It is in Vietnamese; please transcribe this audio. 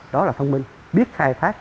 đó là thông minh biết khai phát